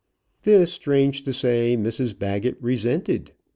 This, strange to say, Mrs Baggett resented.